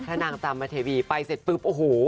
ถ้านางตามมาเทวีไปเสร็จปุ๊บโอ้โฮ